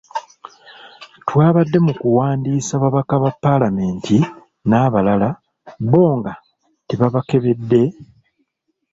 Twabadde mu kuwandiisa babaka ba palamenti n'abalala, bo nga tebaabakebedde?